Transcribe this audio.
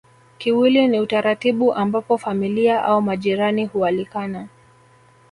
Kiwili ni utaratibu ambapo familia au majirani hualikana